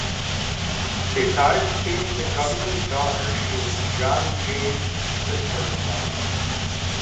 Besides being the governor's daughter, she was John Jay's sister-in-law.